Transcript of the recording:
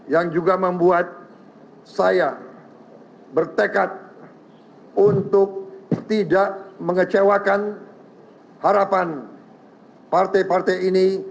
yang juga membuat saya bertekad untuk tidak mengecewakan harapan partai partai ini